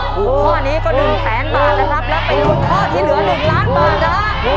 ข้อนี้ก็๑แสนบาทนะครับแล้วไปลุ้นข้อที่เหลือ๑ล้านบาทนะฮะ